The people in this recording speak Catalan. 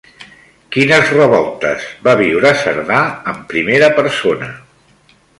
Quines revoltes va viure Cerdà en primera persona?